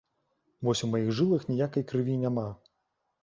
Вось у маіх жылах ніякай крыві няма.